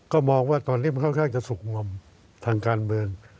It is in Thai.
ก็มองว่าตอนนี้มันค่อนข้างจะสุขงวมทางการเมือง